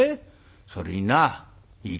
それにないいか？